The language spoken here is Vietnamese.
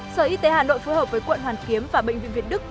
sở y tế hà nội phối hợp với quận hoàn kiếm và bệnh viện việt đức